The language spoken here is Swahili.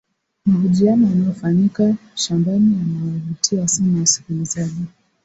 mahojiano yanayofanyika shambani yanawavutia sana wasikilizaji